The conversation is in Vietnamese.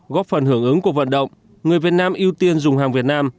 góp phần hưởng ứng cuộc vận động người việt nam ưu tiên dùng hàng việt nam